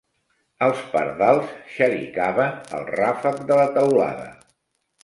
Els pardals xericaven al ràfec de la teulada.